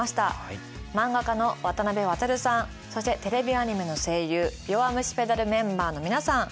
漫画家の渡辺航さんそしてテレビアニメの声優「弱虫ペダル」メンバーの皆さん。